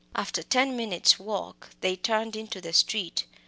After ten minutes' walking they turned into the street.